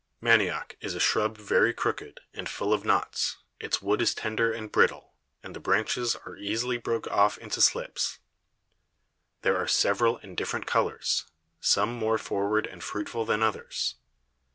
Manioc is a Shrub very crooked, and full of Knots, its Wood is tender and brittle, and the Branches are easily broke off into Slips: There are several and different Colours, some more forward and fruitful than others.